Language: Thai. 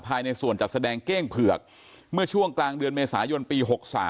ภายในส่วนจัดแสดงเก้งเผือกเมื่อช่วงกลางเดือนเมษายนปี๖๓